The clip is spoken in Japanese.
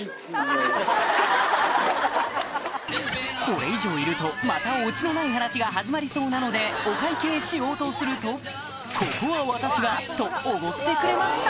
これ以上いるとまたオチのない話が始まりそうなのでお会計しようとすると「ここは私が」とおごってくれました